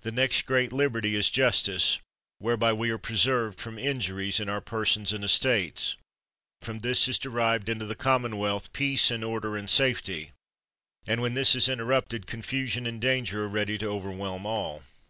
The next great liberty is justice, whereby we are preserved from injuries in our persons and estates; from this is derived into the common wealth, peace, and order, and safety; and when this is interrupted, confusion and danger are ready to overwhelm all.